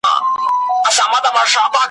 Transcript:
د پاکستان او امریکا ترمنځ